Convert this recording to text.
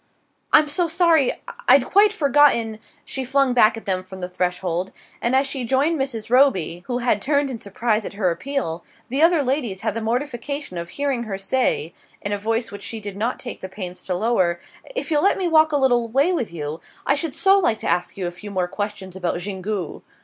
"I'm so sorry I'd quite forgotten " she flung back at them from the threshold; and as she joined Mrs. Roby, who had turned in surprise at her appeal, the other ladies had the mortification of hearing her say, in a voice which she did not take the pains to lower: "If you'll let me walk a little way with you, I should so like to ask you a few more questions about Xingu...."